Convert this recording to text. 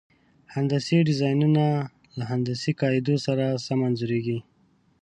هندسي ډیزاینونه له هندسي قاعدو سره سم انځوریږي.